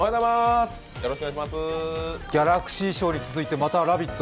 ギャラクシー賞に続いてまた「ラヴィット！」